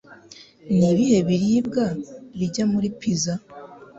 Nibihe biribwa bijya muri pizza?